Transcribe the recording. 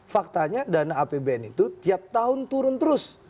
faktanya dana apbn itu tiap tahun turun terus